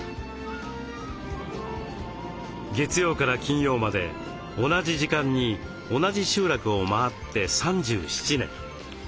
月曜から金曜まで同じ時間に同じ集落を回って３７年。